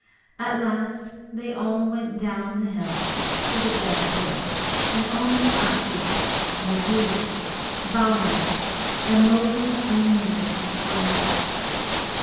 At last they all went down the hill for the dead bull, and only Akela, Bagheera, Baloo, and Mowgli's own wolves were left.